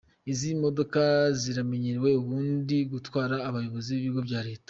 Izi modoka zimenyerewe ubundi gutwara n’abayobozi mu bigo bya leta.